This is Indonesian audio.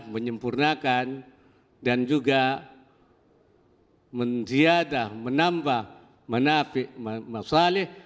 menyempurnakan dan juga menjadah menambah menafik masyarakat